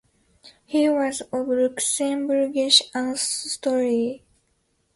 He was of Luxembourgish ancestry.